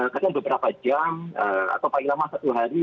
kadang beberapa jam atau paling lama satu hari